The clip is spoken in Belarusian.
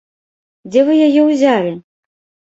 Дзе вы яе ўзялі?